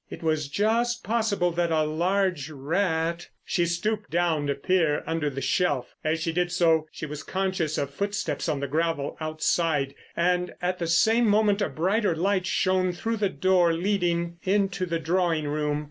It was just possible that a large rat—— She stooped down to peer under the shelf. As she did so she was conscious of footsteps on the gravel outside, and at the same moment a brighter light shone through the door leading into the drawing room.